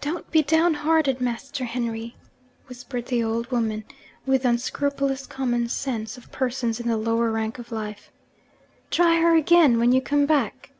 'Don't be down hearted, Master Henry,' whispered the old woman, with the unscrupulous common sense of persons in the lower rank of life. 'Try her again, when you come back!'